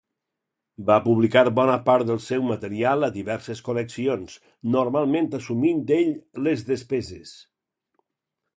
Va publicar bona part del seu material a diverses col·leccions, normalment assumint ell les despeses.